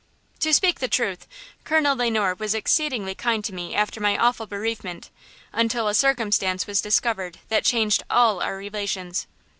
To speak the truth, Colonel Le Noir was exceedingly kind to me after my awful bereavement, until a circumstance was discovered that changed all our relations.